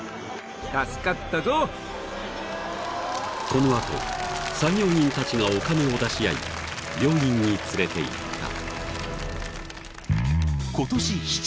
［この後作業員たちがお金を出し合い病院に連れていった］